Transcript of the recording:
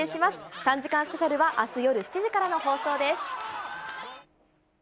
３時間スペシャルはあす夜７時からの放送です。